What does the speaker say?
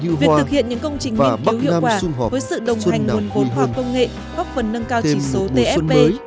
việc thực hiện những công trình nghiệp yếu hiệu quả với sự đồng hành nguồn vốn khoa học công nghệ góp phần nâng cao chỉ số tfp